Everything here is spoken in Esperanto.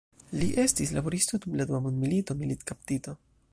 Li estis laboristo, dum la dua mondmilito militkaptito.